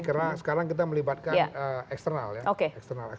karena sekarang kita melibatkan eksternal